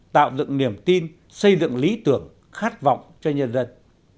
tạo dựng niềm tin xây dựng lý tưởng khát vọng cho nhân dân